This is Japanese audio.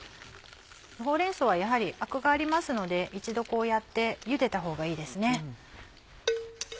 ほうれん草はやはりアクがありますので一度こうやってゆでたほうがいいですね。